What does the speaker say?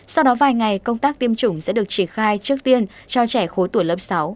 sau đó vài ngày công tác tiêm chủng sẽ được triển khai trước tiên cho trẻ khối tuổi lớp sáu